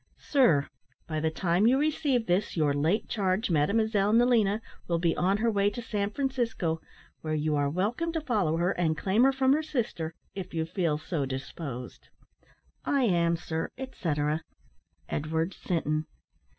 "Sir, By the time you receive this, your late charge, Mademoiselle Nelina, will be on her way to San Francisco, where you are welcome to follow her, and claim her from her sister, if you feel so disposed. "I am, Sir, etcetera, "Edward Sinton."